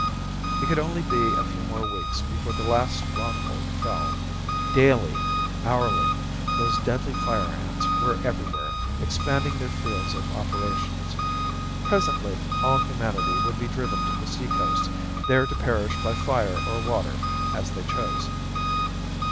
It could only be a few more weeks before the last stronghold fell. Daily, hourly, those deadly Fire Ants were everywhere expanding their fields of operations. Presently all humanity would be driven to the seacoasts, there to perish by fire or water, as they chose.